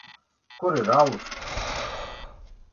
Kur ir alus?